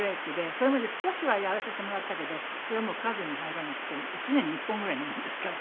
それまで少しはやらせてもらったけどそれはもう数に入らなくて１年に１本ぐらいのものですから。